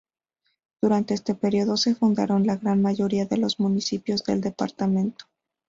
Durante este periodo se fundaron la gran mayoría de los municipios del departamento.